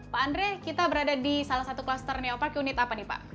pak andre kita berada di salah satu kluster neopark unit apa nih pak